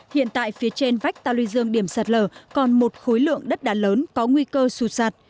hiện tại phía trên vách tà lư dương điểm sạt lở còn một khối lượng đất đá lớn có nguy cơ sụt sạt